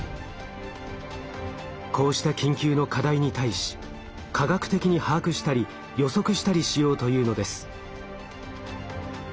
こうした緊急の課題に対し科学的に把握したり予測したりしようというのです。